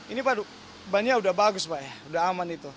ini waduk bannya udah bagus pak ya udah aman itu